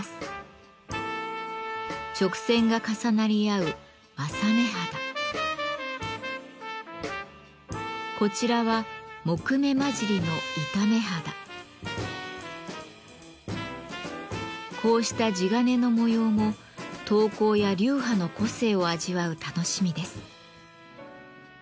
直線が重なり合うこちらはこうした地鉄の模様も刀工や流派の個性を味わう楽しみです。